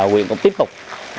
huyện cũng tiếp tục